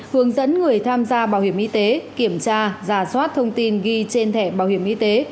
hướng dẫn người tham gia bảo hiểm y tế kiểm tra giả soát thông tin ghi trên thẻ bảo hiểm y tế